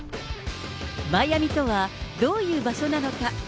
マイアミとはどういう場所なのか。